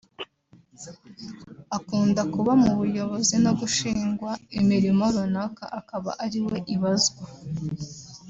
Akunda kuba mu buyobozi no gushingwa imirimo runaka akaba ariwe ibazwa